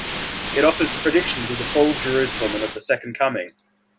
It offers predictions of the fall of Jerusalem and of the Second Coming.